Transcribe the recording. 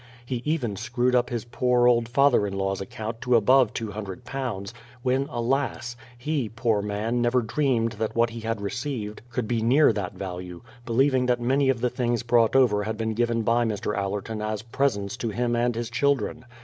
He even screwed up his poor old father in law's account to above £200, when, alas! he, poor man, never dreamed that 234 BRADFORD'S HISTORY OP what he had received could be near that value, believing that many of the things brought over had been given by Mr. Allerton as presents to him and his children.